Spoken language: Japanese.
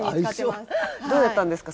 どうだったんですか？